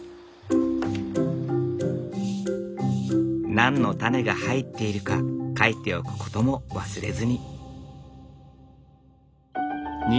何のタネが入っているか書いておくことも忘れずに。